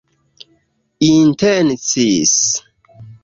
intencis